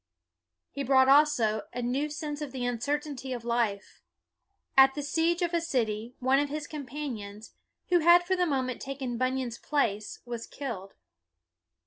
He brought also a new sense of the uncertainty of life. At the siege of a city, one of his companions, who had for the moment taken Bunyan's place, was killed.